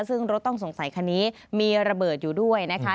ซึ่งรถต้องสงสัยคันนี้มีระเบิดอยู่ด้วยนะคะ